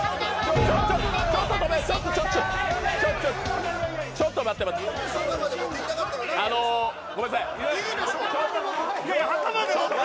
ちょっとちょっとちょっと待って。